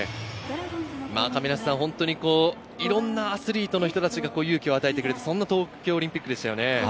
本当にいろんなアスリートの人たちが勇気を与えてくれた東京オリンピックでしたね。